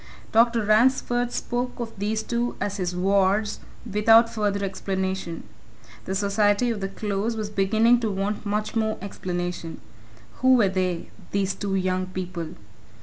Dr. Ransford spoke of these two as his wards, without further explanation; the society of the Close was beginning to want much more explanation. Who were they these two young people?